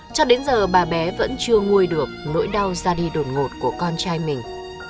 cho đến giờ bà bé vẫn chưa nguôi được nỗi đau ra đi đột ngột của con trai mình